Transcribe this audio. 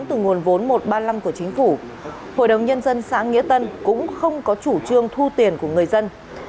từ nguồn vốn một trăm ba mươi năm của chính phủ hội đồng nhân dân xã nghĩa tân cũng không có chủ trương thu tiền của người dân